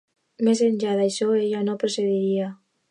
Més enllà d'això, ella no procediria.